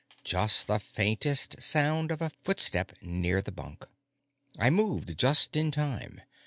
Just the faintest sound of a footstep near the bunk. I moved just in time.